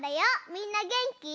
みんなげんき？